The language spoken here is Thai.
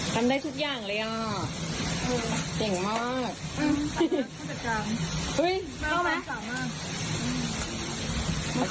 ทำได้ทุกอย่างเลยอ่ะเก่งมาก